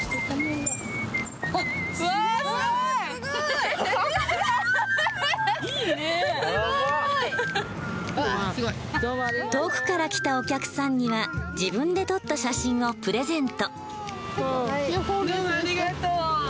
すごい！遠くから来たお客さんには自分で撮った写真をプレゼント。